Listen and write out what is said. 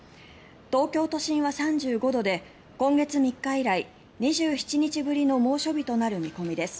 東京都心は３５度で今月３日以来２７日ぶりの猛暑日となる見込みです。